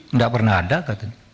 enggak pernah ada katanya